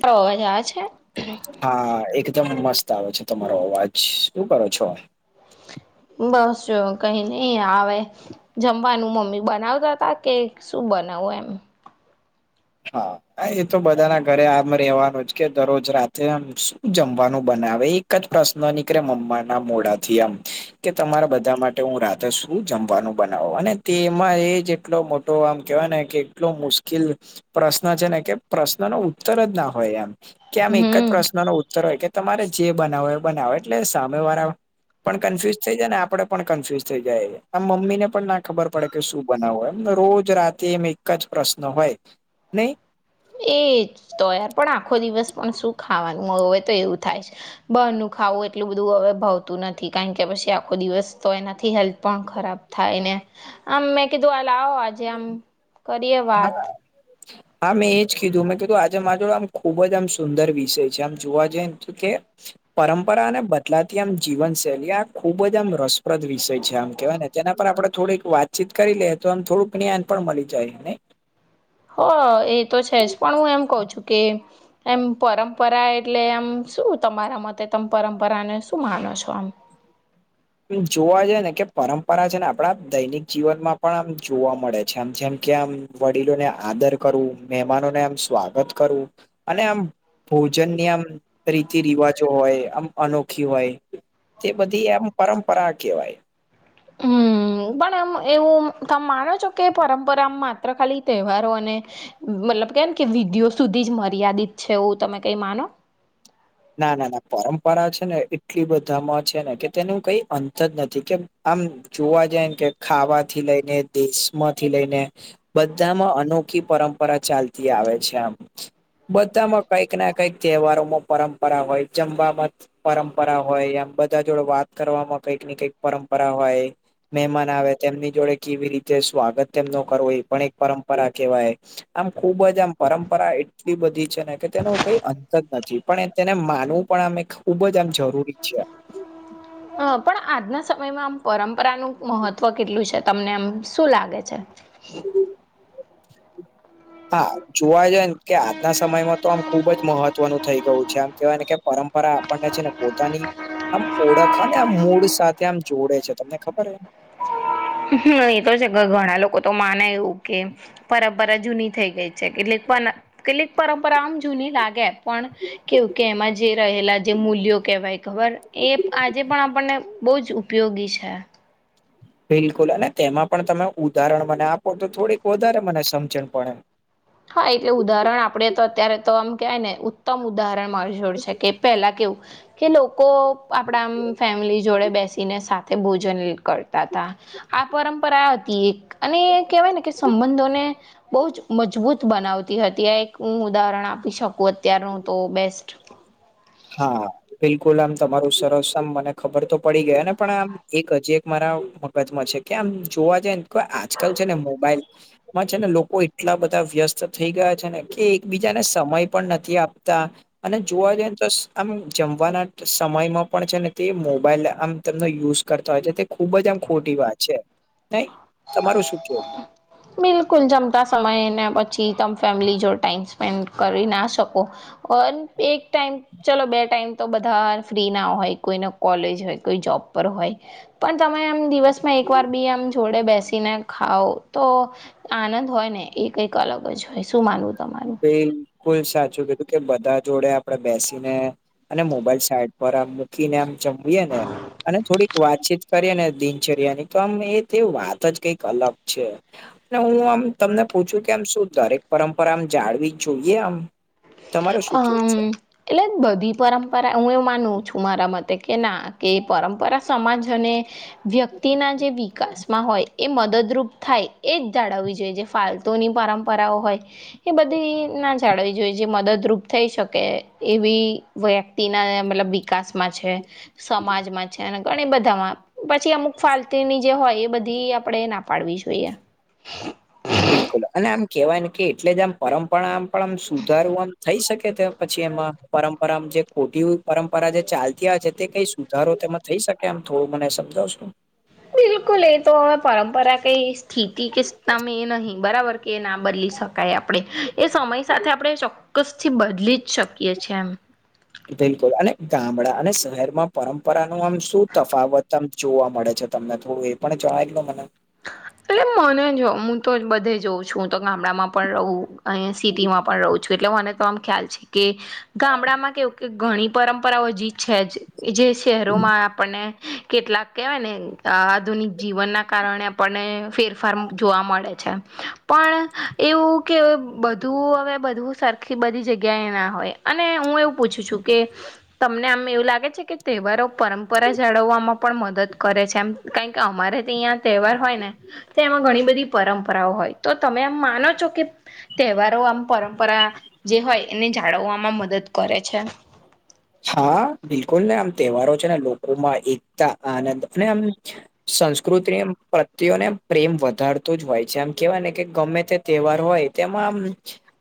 તારો અવાજ આવે છે? હા એકદમ મસ્ત આવે છે, તમારો અવાજ શું કરો છો? બસ જો કંઈ નઈ આવે જમવાનું મમ્મી બનાવતા હતા કે શું બનાવું એમ હા. હા એતો બધાના ઘરે આમ રહેવાનું જ કે દરરોજ રાતે શું જમવાનું બનાવે એકજ પ્રશ્ન નીકળે મમ્માના મોઢાથી આમ કે તમારા બધા માટે હું રા તે શું જમવાનું બનાવો અને તેમાં એ જેટલો મોટો આમ કેવાય ને કે એટલો મુશ્કેલ પ્રશ્ન છે, ને કે પ્રશ્ન ન ઉત્તર જ ના હોય એમ કે આમ એક જ હમ પ્રશ્ન ન ઉત્તર હોય કે તમારે જે બનાવો એ બનાવો એટલે સામે વારા પણ કન્ફ્યુઝ થઈ જાય ને આપડે પણ કન્ફ્યુઝ થઈ જાય આમ મમ્મીને પણ ના ખબર પડે કે શું બનાવવો એમ રોજ રાતે એમ એક જ પ્રશ્ન હોય નહીં એ જ તો યાર પણ આખો દિવસ પણ શું ખાવાનું હોય તો એવું થાય છે. બહારનું ખાવું એટલું બધું હવે ભાવતુ નથી કારણ કે પછી આખો દિવસ તો એનાથી હેલ્થ પણ ખરાબ થાય ને આમ મેં કીધું લાવો આજે આમ કરીએ વાત [inaudible] હા મેં એજ કીધું મેં કીધું આજે મા જોડ આમ ખુબ જ આમ સુંદર વિષય છે, આમ જોવા જઈ એમ તો કે પરંપરાને બદલાતી આમ જીવનશૈલી આ ખુબ જ આમ રસપ્રદ વિષય છે, આમ કેવાય ને જેના પર આપડે થોડીક વાતચીત કરી લેએ તો એમ થોડુંક જ્ઞાન પણ મળી જાય ને હ એતો છે, જ પણ હું એમ કઉ છું, કે એમ પરંપરા એટલે આમ શું તમારા મતે તમે પરંપરાને શું માનો છો આમ? જોવા જઈ ને કે પરંપરા છે, ને આપડા દૈનિક જીવનમાં પણ આમ જોવા મળે છે, આમ જેમ કે આમ વડીલોને આદર કરું મહેમાનોને આમ સ્વાગત કરું અને આમ ભોજનની આમ રીતિ રિવાજો હોય આમ અનોખી હોય તે બધી એમ પરંપરા કહેવાય હમ. પણ એમ એવું તમ માનો છો કે પરંપરા માત્ર ખાલી તહેવારો અને મતલબ કેમ કે વિધિયો સુધી જ મર્યાદિત છે, એવું તમે કઈ માનો? ના ના ના પરંપરા છે, ને એટલી બધામાં છે, ને કે તેનું કઈ અંત જ નથી કે આમ જોવા જાયમ કે ખાવાથી લઈને દેશમાથી લઈને બધામાં અનોખી પરંપરા ચાલતી આવે છે, આમ બધામાં કઈક ના કઈક તહેવારોમાં પરંપરા હોય જમવામા પરંપરા હોય એમ બધા જોડે વાત કરવામાં કઈક ને કઈક પરંપરા હોય મહેમાન આવે તેમની જોડે કેવી રીતે સ્વાગત તેમનો કરવો એ પણ એક પરંપરા કેહેવાય આમ ખુબ જ આમ પરંપરાએ એટલી બધી છે, ને કે તેનો કઈ અંત જ નથી પણએ તેને માનવું પણ આમ એક ખૂબ જ આમ જરૂ [inaudible] અ પણ આજના સમયમાં આમ પરંપરાનું મહત્વ કેટલું છે, તમને આમ શું લાગે છે? હા જોવા જાય કે આજના સમયમાં તો આમ ખુબ જ મહત્વનું થઈ ગયું છે, આમ કેવાય ને કે પરંપરા આપણને છે, ને પોતાની આમ ઓળખ અને આમ મૂળ સાથે આમ જોડે છે, તમને ખબર હે હમ એ તો છે, ઘણા આ લોકો તો માને એવું કે પરંપરા જૂની થઈ ગઈ છે, કેટલીક પણ કેટલીક પરંપરા આમ જૂની લાગે પણ કેવું કે એમાં જે રહેલા જે મૂલ્યો કેહેવાય ખબર એ આજે પણ આપણને બો જ ઉ પયોગી છે. બિલકુલ અને તેમાં પણ તમે ઉદાહરણ મને આપો તો થોડીક વધારે મને સમજણ પડે હા એટલે ઉદાહરણ આપડે તો અત્યારે તો આમ કવાયને ઉત્તમ ઉદાહરણ માર જોડ છે, કે પેલા કેવું કે લોકો આપણા આમ ફેમિલી જોડે બેસીને સાથે ભોજન કરતા હતા. આ પરંપરા હતી એક અને કહેવાય ને કે સંબંધોને બો જ મજબૂત [unintelligible] બનાવતી હતી એક હું ઉદાહરણ આપી શકું અત્યારનું તો બેસ્ટ હા. બિલકુલ આમ તમારું સરસ આમ મને ખબર તો પડી ગયા ને પણ આમ એક હજી એક મારા ગજમાં છે, કે આમ જોવા જાય ને તો આજકાલ છે, ને મોબાઈલ માં છે, ને લોકો એટલા બધા વ્યસ્ત થઈ ગયા છે, ને કે એક બીજાને સમય પણ નથી આપતા. અને જોવા જાય તો આમ જમવાના સમયમાં પણ છે, ને તે મોબાઈલ આમ તેમનો યુઝ કરતા હોય છે. ખુબ જ આમ ખોટી વાત છે, [unintelligible] તમારું શું કેવું? બિલકુલ જમતા સમયને પછી તમે ફેમિલી જોડ ટાઈમ સ્પેન્ડ કરી ના શકો [unintelligible] એક ટાઈમ ચલો બે ટાઈમ તો બધા ફ્રી ના હોય કોઈને કોલેજ હોય કોઈ જોબ પર હોય. પણ તમે એમ દિવસમાં એક વાર બી આમ જોડે બેસીને ખાવ તો આનંદ હોય ને એ કંઈક અલગ જ હોય શું માનવું તમારું? બિલકુલ સાચું કીધું કે બધા જોડે આપડે બેસીને અને મોબાઈલ સાઈટ પર આમ મૂકીને આમ જમીએ ને અને થોડીક વાતચીત કરીએને દિનચર્યાની તો આમ એ તે વાત જ કઈક અલગ છે. અને હું આમ તમને પૂછું કે આમ શું દરેક પરંપરામ જાળવી જોઈએ આમ? તમારે શું કેવું અમ છે? એટલે બધી પરંપરા હું એવું માનું છું મારા મતે કે ના કે પરંપરા સમાજ અને વ્યક્તિના જે વિકાસમાં હોય એ મદદરૂપ થાય એ જ જાળવવી જોઈએ જે ફાલતુની પરંપરાઓ હોય એ બધી ના જાળવવી જોએ જે મદદરૂપ થઈ શકે એવી વ્યક્તિના મતલબ વિકાસમાં છે. સમાજમાં છે, અને ધણે બધામાં પછી અમુક ફાલતુની જે હોય એ બધી આપણેે ના પાડવી જોઈએ બિલકુલ અને આમ કેવાય ને કે એટલે જ આમ પરંપરામ પણ આમ સુધારું થઈ શકે તે પછી એમાં પરંપરા જે ખોટી પરંપરા જે ચાલતી આવે છે, તે કઈશુ સુધારો તેમાં થઈ શકે આમ થોડું મને સમજાવશો બિલકુલ એ તો હવે પરંપરા કે સ્થિતિ કે તમે એ નહી બરાબર કે ના બદલી શકાય આપડે એ સમય સાથે આપણે ચોક્ ક્કસ થી બદલી જ શકીએ છે, એમ બિલકુલ અને ગામડા અને શહેરમાં પરંપરાનુ આમ શું તફાવત આમ જોવા મળે છે, તમને થોડું એ પણ જણાય દો મને એટલે મને જો હું તો બધે જોઉં છું હુ તો ગામડામાં પણ રહું અહીયા સિટીમાં પણ રહું છું એટલે મને તો આમ ખ્યાલ છે, કે ગામડામાં કેવું કે ઘણી પરંપરાઓ જી છે, જે શહેરોમાં પને કેટલાક કેવાયને આધુનિક જીવનના કારણે આપને ફેર ફાર જોવા મળે છે. પણ એવું કે બધું હવે, બધું સરખી બધી જગ્યાએ ના હોય. અને હું એવું પૂછું છું કે તમને આમ એવું લાગે છે કે તહેવારો પરંપરા જાળવવામાં પણ મદદ કરે છે એમ કાંઈક અમારે અહીં તહેવાર હોય ને તો તેમાં ઘણી બધી પરંપરાઓ હોય તો તમે એમ માનો છો કે તહેવારો આમ પરંપરા જે હોય એને જાળવવામાં મદદ કરે છે. હા બિલકુલ ને આમ તહેવારો છે ને લોકોમાં એકતા, આનંદ અને આમ સંસ્કૃતિ પ્રત્યને પ્રેમ વધારતું જ હોય છે, એમ કેહેવાય ને કે ગમે તે તહેવાર હોય તેમાં આમ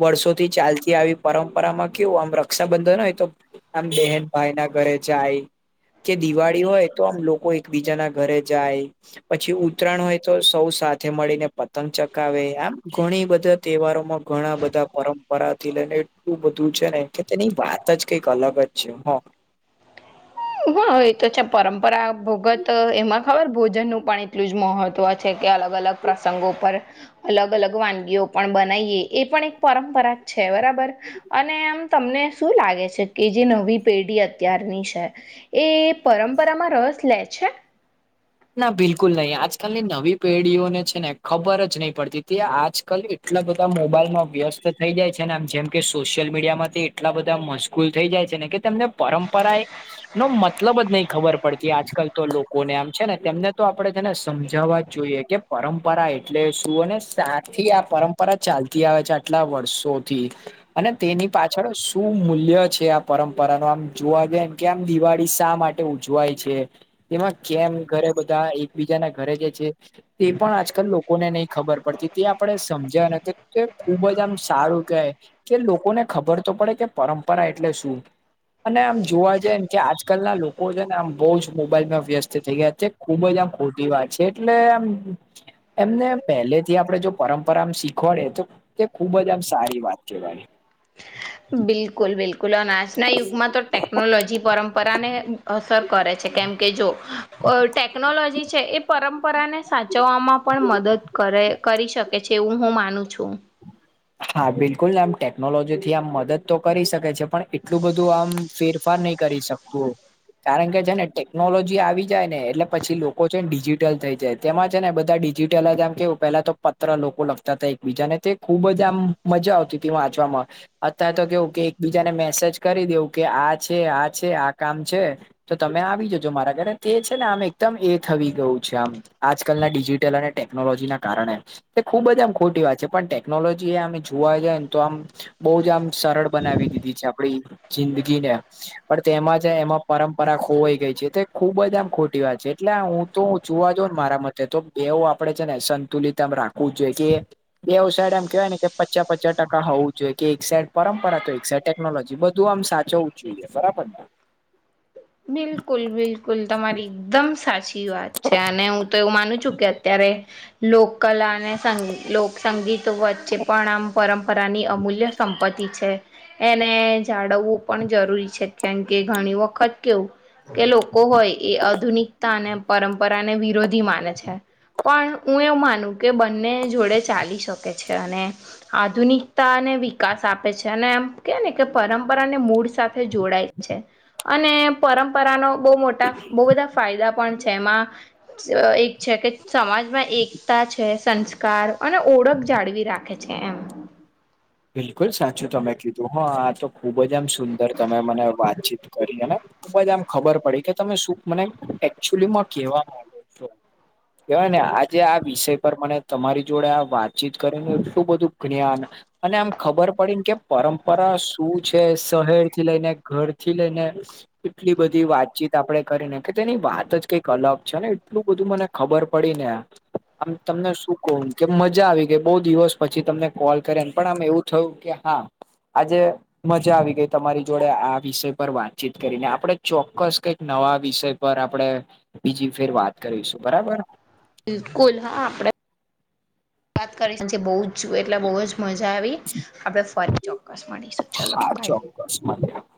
વર્ષોથી ચાલતી આવી પરંપરામાં કેવું આમ રક્ષાબંધન હોય તો આમ બહેન ભાઇના ઘરે જાય કે દિવાળી હોય તો આમ લોકો એકબીજા ના ઘરે જાય પછી ઉત્તરાયણ હોય તો સૌ સાથે મળીને પતંગ ચગાવે આમ ઘણી બધું તહેવારો માં ઘણા બધા પરંપરાથી લઈને એટલું બધું છે ને કે તેની વાત જ કંઈક અલગ [inaudible] છે હા હા, એ તો છે પરંપરા ભગત એમાં ખબર ભોજનનું પણ એટલું જ મહત્વ છે કે અલગ અલગ પ્રસંગો ઉપર અલગ અલગ વાનગીઓ પણ બનાઈએ એ પણ એક પરંપરા છે, બરાબર. અને આમ તમને શું લાગે છે કે જે નવી પેઢી અત્યારની છે એ પરંપરામાં રસ લે છે? ના બિલકુલ નઈ, આજકાલની નવી પેઢીઓને છે ને ખબર જ નઈ પડતી તે આજકાલ એટલા બધા મોબાઈલમાં વ્યસ્ત થઇ જાય છે ને આમ જેમ કે સોશિયલ મીડિયા માંથી એટલા બધા મસ ગુલ થઈ જાય છે ને કે તેમને પરંપરાએ નો મતલબ જ નઈ ખબર પડતી આજકાલ તો લોકોને આમ છે ને તેમને તો આપડે છેને સમજાવવા જ જોઈએ કે પરંપરા એટલે શું અને સાથી આ પરં પરા ચાલતી આવે છે, આટલા વર્ષોથી અને તેની પાછળ શું મૂલ્ય છે આ પરંપરાનૂ આમ જોવા જાય. કેમ દિવાળી શા માટે ઉજવાય છે, તેમાં કેમ ઘરે બધાં એકબીજા ઘરે જે છે. તે પણ આજકાલ લોકોને નહી ખબર પડતી તે આપડે સમજ્યાને કે ખૂબજ આમ સારું કેય. કે લોકોને ખબર તો પડે કે પરંપરા એટલે શું અને આમ જોવા જાયને કે આજકાલ ના લોકો છે ને આમ બહુ જ મોબાઈલમાં વ્યસ્ત થઈ ગયા છે. ખુબજ આમ ખોટી વાત છે એટલે આમ. એમને પહેલે થી આપડે જો પરંપરામ શીખવાડે તો, તે ખુબજ આમ સારી વાત કેવાય. બિલકુલ બિલકુલ અને આજના યુગમાં તો ટેકનોલોજી પરંપરાને, અસર કરે છે કેમ કે જો ટેકનોલોજી છે એ પરંપરાને, સાચવવામાં પણ મદદ કરે કરી શકે છે એવું હું માનું છું. હા બિલકુલ, આમ ટેકનોલોજી થી આમ મદદ તો કરી શકે છે પણ એટલું બધું આમ ફેરફાર નહી કરી શક તું કારણકે છેને ટેકનોલોજી આવી જાય ને એટલે પછી લોકો છે ને ડિજિટલ થઈ જાય. તેમાં છે ને બધા ડિજિટલ જ આમ કેવું પેલા તો પત્ર લોકો લખતા હતા એકબીજાને તે ખૂબજ, તે આમ મજા આવતી હતી વાંચવામાં, અત્યાર તો કેવું કે એકબીજાને મેસેજ કરી દેવું કે આ છે, આ છે, આ કામ છે. તો તમે આવી જજો મારા ઘરે તે છે ને આમ એકદમ એ થઈ ગયું છે આમ, આજકાલના ડિજિટલ અને ટેકનોલોજીના કારણે તે ખુબજ આમ ખોટી વાત છે પણ ટેકનોલોજ જે અમે જોવા જાય ન તો આમ બહુ જ આમ સરળ બનાવી દીધી છે આપડી જિંદગીને. પણ તેમાં છે એમાં પરંપરા ખોવાઈ ગઈ છે તે ખુબ જ આમ ખોટી વાત છે એટલે હું તો હું જોવા જઉ ન મારા મતે તો એવું આપડે છે ને સંતુલિત આમ રાખવું જોઈ કે બેવ સાયડ આમ કહેવાય ને કે પચ્ચા પચ્ચા ટકા હોવું જોઈએ કે એક સાઈડ પરંપરા તો એક સાઈડ ટેકનોલોજી બધું આમ સાચવું જોઇએ બરાબરને. બિલકુલ બિલકુલ તમારી દમ સાચી વાત છે અને હું તો એવું માનું છું કે અત્યારે લોકકલા અને સંગ લોકસંગીત વચ્ચે પણ આમ પરંપરાની અમૂલ્ય સંપત્તિ છે, એને જાળવવું પણ જરૂરી છે કેમ કે ઘણી વખત કે લોકો હોય એ આધુનિકતા અને પરંપરાને વિરોધી માને છે. પણ હું એવું માનું કે બંને જોડે ચાલી શકે છે અને આધુનિકતા અને વિકાસ આપે છે અને એમ કે ને કે પરંપરાને મૂળ સાથે જોડાય છે અને પરંપરાનો બહુ મોટા બહુ બધા ફાયદા પણ છે એમાં સ એક છે કે સમાજમાં એકતા છે સંસ્કાર અને ઓળખ જાળવી રાખે છે એમ [unintelligible] બિલકુલ સાચું તમે કીધું હા આ તો ખુબ જ આમ સુંદર તમે મને વાતચીત કરી અને ખૂબ જ આમ ખબર પડી કે તમે શું મને એકચુલી માં કેવા માંગો છો? કેહેવાય ને આજે આ વિષય પર મને તમારી જોડે આ વાતચીત કરીને એટલું બધું જ્ઞાન અને આમ ખબર પડી ને કે પરંપરા શું છે શહેર થી લઈને ઘર થી લઈને એટલી બધી વાતચીત આપડે કરીને કે તેની વાત જ કંઈક અલગ છે ને એટલું બધું મને ખબર પડીને આ આમ તમને શું કહું કે મજા આવી ગઈ બહુ દિવસ પછી તમને કોલ કરે ન પણ આમ એવું થયું કે હા આજે મજા આવી ગઈ તમારી જોડે આ વિષય પર વાતચીત કરીને આપડે ચોક્કસ કઈક નવા વિષય પર આપણડે બીજી ફેર વાત કરીશું બરાબર. બિલકુલ હા આપડે વાત કરી છે બહુ જ છું એટલે બહુ જ મજા આવી આપણે ફરી ચોક્કસ મળીશું ચલો હા બાય. [unintelligible]